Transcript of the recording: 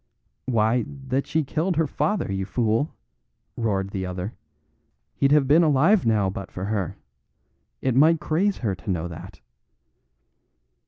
"Why, that she killed her father, you fool!" roared the other. "He'd have been alive now but for her. It might craze her to know that."